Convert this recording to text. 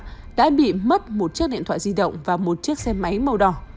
nạn nhân đã bị mất một chiếc điện thoại di động và một chiếc xe máy màu đỏ